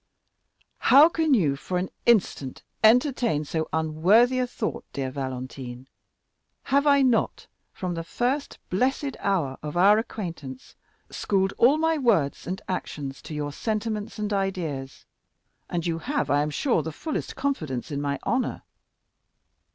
"How can you for an instant entertain so unworthy a thought, dear Valentine? Have I not, from the first blessed hour of our acquaintance, schooled all my words and actions to your sentiments and ideas? And you have, I am sure, the fullest confidence in my honor.